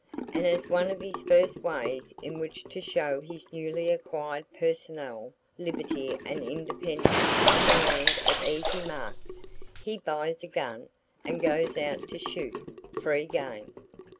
And as one of his first ways in which to show his newly acquired personal liberty and independence in the Land of Easy Marks, he buys a gun and goes out to shoot "free game!"